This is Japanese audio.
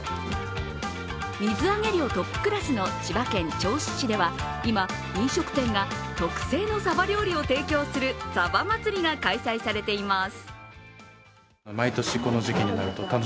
水揚げ量トップクラスの千葉県銚子市では今、飲食店が特製のサバ料理を提供するさば祭が開催されています。